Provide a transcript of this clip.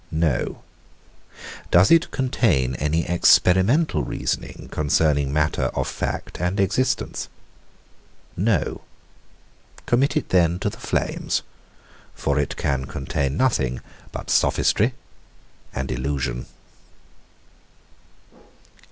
_ No. Does it contain any experimental reasoning concerning matter of fact and existence? No. Commit it then to the flames: for it can contain nothing but sophistry and illusion.